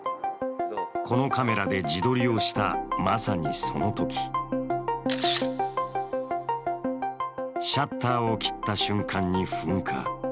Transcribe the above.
このカメラで自撮りをしたまさにそのときシャッターを切った瞬間に噴火。